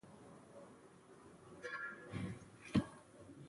زه د اونۍ یونۍ او دونۍ دې درې ورځو کې کار کوم